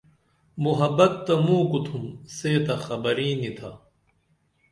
محبت تہ موں کُتُم سے تہ خبرئیں نی تھا